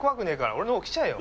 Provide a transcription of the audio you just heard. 俺の方来ちゃえよ！